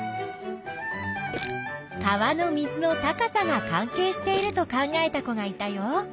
川の水の高さが関係していると考えた子がいたよ。